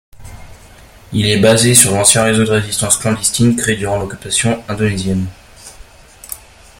Il est basé sur l'ancien réseau de résistance clandestine créé durant l'occupation indonésienne.